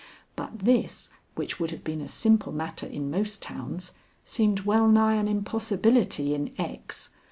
But this, which would have been a simple matter in most towns, seemed well nigh an impossibility in X.